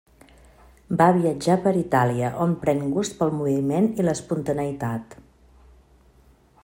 Va viatjar per Itàlia on pren gust pel moviment i l'espontaneïtat.